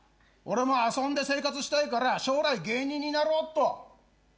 俺も遊んで生活したいから将来芸人になろうっと」